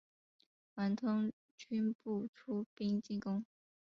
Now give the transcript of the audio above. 王通均不出兵进攻。